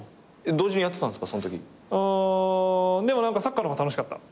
うんでも何かサッカーの方が楽しかった。